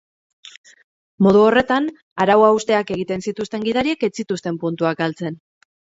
Modu horretan, arau-hausteak egiten zituzten gidariek ez zituzten puntuak galtzen.